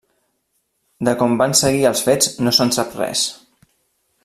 De com van seguir els fets no se'n sap res.